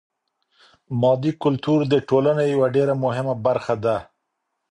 مادي کلتور د ټولني يوه ډېره مهمه برخه ده.